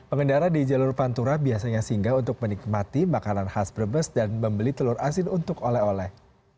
pengendara di jalur pantura biasanya singgah untuk menikmati makanan khas brebes dan membeli telur asin untuk oleh oleh